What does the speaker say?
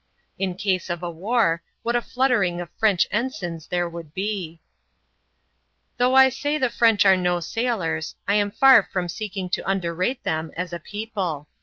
In case of a war, what a fluttering of French ensigns ihere would be ! Though I say the French are no sailors, I am far from seek ing to underrate them as a people.